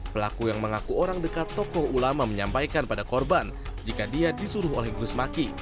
pelaku yang mengaku orang dekat tokoh ulama menyampaikan pada korban jika dia disuruh oleh gus maki